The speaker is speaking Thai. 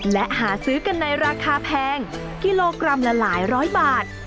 และหาซื้อกันในราคาแพงกิโลกรัมละหลายร้อยบาท